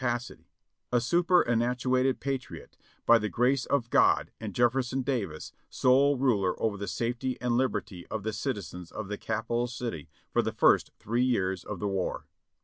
599 pacity ; a superannuated patriot, by the Grace of God and Jeffer son Davis, sole ruler over the safety and liberty of the citizens of the Capital City for the first three years of the war.